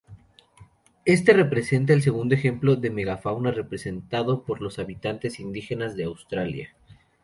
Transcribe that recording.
Este representa el segundo ejemplo de megafauna representado por los habitantes indígenas de Australia.